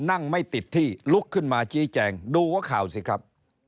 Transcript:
อยนั่งไม่ติดที่ลุกขึ้นมาจี้แจ่งดูว่าข่าวสิครับ